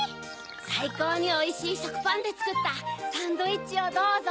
さいこうにおいしいしょくパンでつくったサンドイッチをどうぞ！